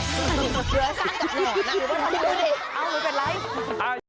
เหลือสร้างการหล่อนะหรือว่าเฮ้ยไม่เป็นไร